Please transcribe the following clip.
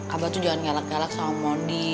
abah tuh jangan ngelak ngelak sama om mondi